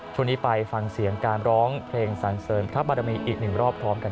ช่วงนี้ไปฟังเสียงการร้องเพลงสันเสริญพระบารมีอีกหนึ่งรอบพร้อมกัน